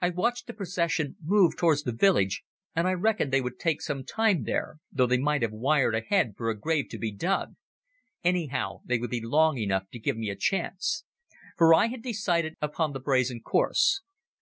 I watched the procession move towards the village and I reckoned they would take some time there, though they might have wired ahead for a grave to be dug. Anyhow, they would be long enough to give me a chance. For I had decided upon the brazen course.